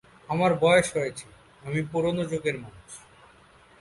আমার বয়স হয়েছে, আমি পুরানো যুগের মানুষ।